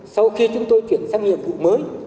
sau khi chúng tôi chuyển sang nghiệp vụ mới